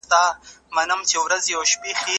¬ څه زه بد وم، څه دښمنانو لاسونه راپسي وټکول.